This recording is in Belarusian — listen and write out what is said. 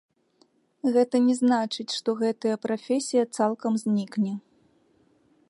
Гэта не значыць, што гэтая прафесія цалкам знікне.